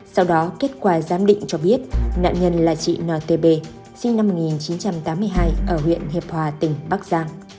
sau đó kết quả giám định cho biết nạn nhân là chị ntb sinh năm một nghìn chín trăm tám mươi hai ở huyện hiệp hòa tỉnh bắc giang